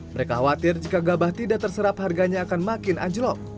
mereka khawatir jika gabah tidak terserap harganya akan makin anjlok